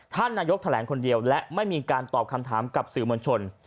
ท่านนายกแถลงคนเดียวและไม่มีการตอบคำถามกับสื่อมวลชน